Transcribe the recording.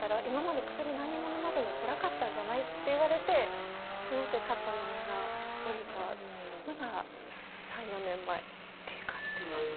今まで薬何にものまずにつらかったんじゃない？」って言われてすごく肩の荷が下りたのが３４年前っていう感じです。